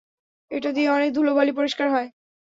এটা দিয়ে অনেক ধুলোবালি পরিষ্কার হয়।